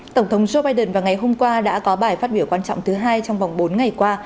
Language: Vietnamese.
tổng thống joe biden vào ngày hôm qua đã có bài phát biểu quan trọng thứ hai trong vòng bốn ngày qua